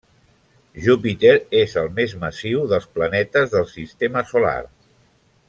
Júpiter és el més massiu dels planetes del sistema solar.